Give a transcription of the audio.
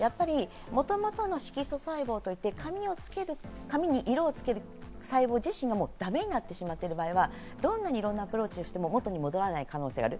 もともとの色素細胞といって、髪に色をつける細胞自身がもうだめになっている場合は、どんなにいろんなアプローチをしても元に戻らない可能性がある。